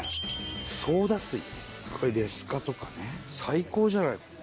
「ソーダ水」って「レスカ」とかね最高じゃない。